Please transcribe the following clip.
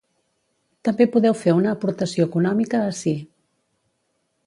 També podeu fer una aportació econòmica ací.